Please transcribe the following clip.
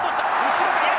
後ろから。